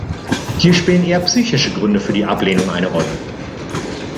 Hier spielen eher psychische Gründe für die Ablehnung eine Rolle.